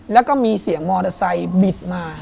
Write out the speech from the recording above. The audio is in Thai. แล้วก็มีเสียงมอเตอร์ไซค์บิดมา